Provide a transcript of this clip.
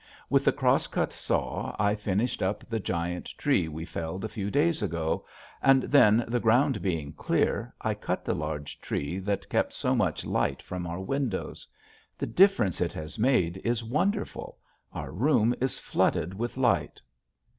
With the cross cut saw I finished up the giant tree we felled a few days ago; and then, the ground being clear, I cut the large tree that kept so much light from our windows. The difference it has made is wonderful; our room is flooded with light.